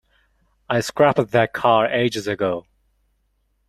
I scrapped that car ages ago.